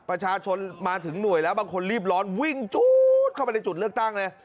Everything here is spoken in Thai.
ประชาชนมาถึงหน่วยแล้วบางคนรีบร้อนวิ่งจู๊ดเข้าไปในจุดเลือกตั้งเลย